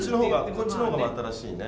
こっちのほうが新しいね。